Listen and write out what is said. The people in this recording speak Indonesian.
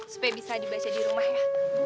supaya bisa dibaca di rumah ya